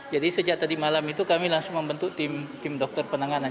jadi sejak tadi malam itu kami langsung membentuk tim dokter penanganan